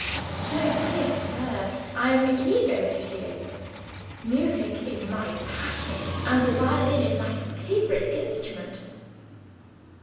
"My dear sir, I am eager to hear you! Music is my passion; and the violin is my favorite instrument."